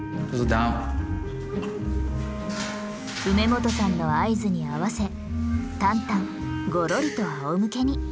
梅元さんの合図に合わせタンタンごろりとあおむけに。